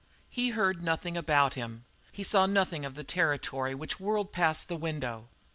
He heard nothing about him; he saw nothing of the territory which whirled past the window.